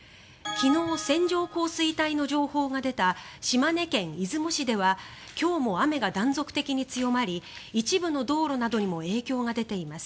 昨日、線状降水帯の情報が出た島根県出雲市では今日も雨が断続的に強まり一部の道路などにも影響が出ています。